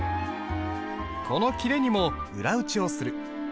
この裂にも裏打ちをする。